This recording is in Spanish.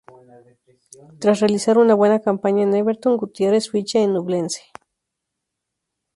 Tras realizar una buena campaña en Everton, Gutierrez ficha en Ñublense.